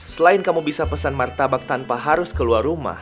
selain kamu bisa pesan martabak tanpa harus keluar rumah